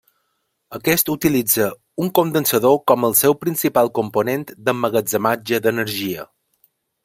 Aquest utilitza un condensador com el seu principal component d'emmagatzematge d'energia.